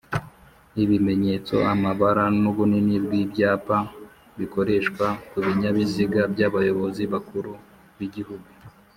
ibimenyetso ,amabara n’ubunini bw’ibyapa bikoreshwa kubinyabiziga by’abayobozi bakuru b’igihugu